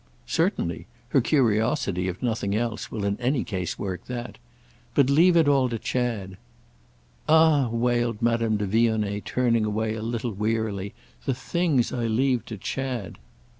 "Certainly. Her curiosity, if nothing else, will in any case work that. But leave it all to Chad." "Ah," wailed Madame de Vionnet, turning away a little wearily, "the things I leave to Chad!"